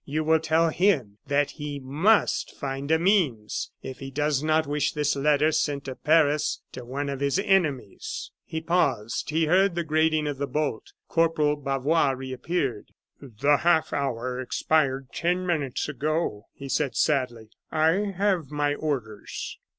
You will tell him that he must find a means, if he does not wish this letter sent to Paris, to one of his enemies " He paused; he heard the grating of the bolt. Corporal Bavois reappeared. "The half hour expired ten minutes ago," he said, sadly. "I have my orders."